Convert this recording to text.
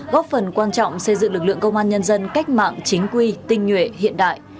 góp phần quan trọng xây dựng lực lượng công an nhân dân cách mạng chính quy tinh nhuệ hiện đại